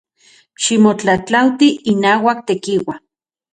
Ximotlajtlauati inauak Tekiua.